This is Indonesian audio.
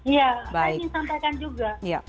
ya saya ingin sampaikan juga